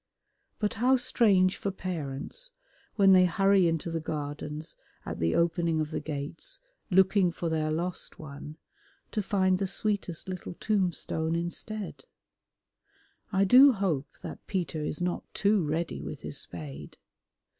But how strange for parents, when they hurry into the Gardens at the opening of the gates looking for their lost one, to find the sweetest little tombstone instead. I do hope that Peter is not too ready with his spade.